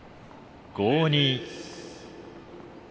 ５−２。